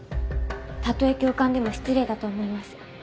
たとえ教官でも失礼だと思います。